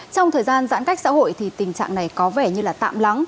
trong thời gian giãn cách xã hội thì tình trạng này có vẻ như là tạm lắng